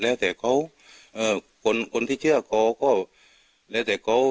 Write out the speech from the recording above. แล้วท่านผู้ชมครับบอกว่าตามความเชื่อขายใต้ตัวนะครับ